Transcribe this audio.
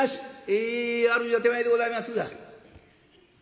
え主は手前でございますが」。